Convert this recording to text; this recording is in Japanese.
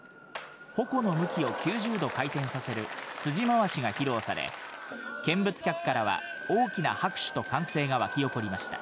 鉾の向きを９０度回転させる辻回しが披露され、見物客からは大きな拍手と歓声が沸き起こりました。